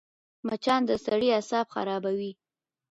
مچان د سړي اعصاب خرابوي